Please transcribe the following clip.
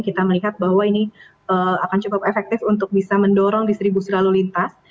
kita melihat bahwa ini akan cukup efektif untuk bisa mendorong distribusi lalu lintas